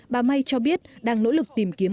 bà may cho biết đang nỗ lực tìm kiếm